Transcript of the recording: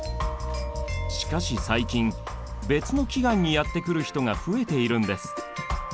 しかし最近別の祈願にやって来る人が増えているんです。